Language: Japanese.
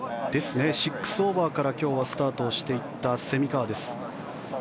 ６オーバーから今日はスタートしていった蝉川です。